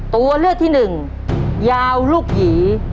ตัวเลือดที่๑ยาวลูกหยี